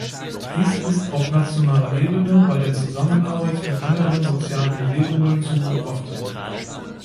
Dies ist auf nationaler Ebene bei der Zusammenarbeit mit anderen Sozialen Bewegungen zu beobachten.